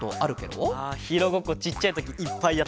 あヒーローごっこちっちゃいときいっぱいやったよ。